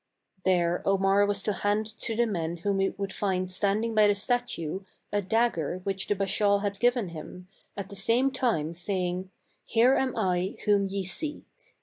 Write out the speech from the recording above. There Omar was to hand to the men whom he would find standing by the statue a dagger which the Bashaw had given him, at the same time saying, " Here am I ye seek."